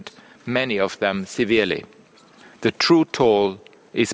banyak dari mereka secara serius